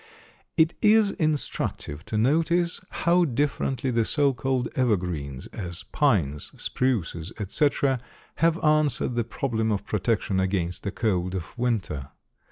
It is instructive to notice how differently the so called evergreens, as pines, spruces, etc., have answered the problem of protection against the cold of winter.